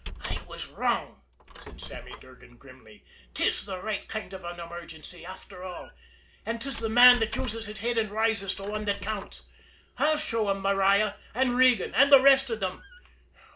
"I was wrong," said Sammy Durgan grimly. "'Tis the right kind of an emergency, after all and 'tis the man that uses his head and rises to one that counts. I'll show 'em, Maria, and Regan, and the rest of 'em!